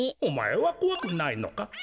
おまえはこわくないのか？